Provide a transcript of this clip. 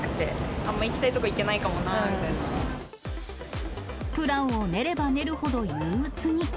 あんま行きたい所行けないかプランを練れば練るほど、憂うつに。